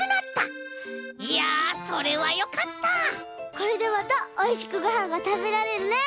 これでまたおいしくごはんがたべられるね。